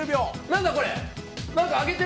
何だこれ。